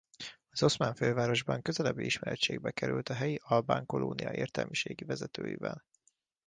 Az oszmán fővárosban közelebbi ismeretségbe került a helyi albán kolónia értelmiségi vezetőivel.